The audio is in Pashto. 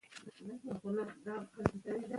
هغه د سهارنۍ نه خوړلو سره عادت خراب کړ.